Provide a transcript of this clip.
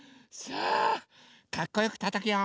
さあかっこよくたたくよ。